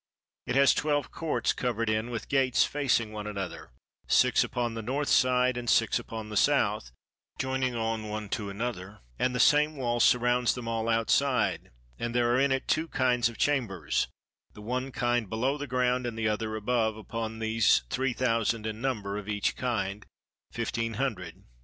It has twelve courts covered in, with gates facing one another, six upon the North side and six upon the South, joining on one to another, and the same wall surrounds them all outside; and there are in it two kinds of chambers, the one kind below the ground and the other above upon these, three thousand in number, of each kind fifteen hundred.